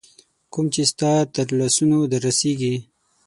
کوم چي ستا تر لاسونو در رسیږي